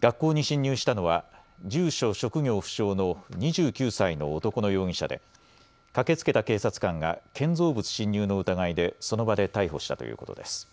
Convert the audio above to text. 学校に侵入したのは住所・職業不詳の２９歳の男の容疑者で駆けつけた警察官が建造物侵入の疑いでその場で逮捕したということです。